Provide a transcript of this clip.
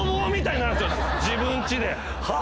自分ちで。